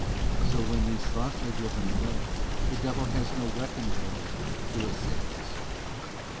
* So when these thoughts are driven away, the devil has no weapon wherewith to assail the soul.